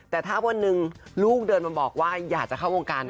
แต่ถ้าวันหนึ่งลูกเดินมาบอกว่าอยากจะเข้าวงการ